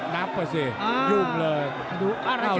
นับก่อนสิยุ่งเลย